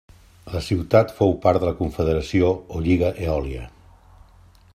La ciutat fou part de la confederació o Lliga Eòlia.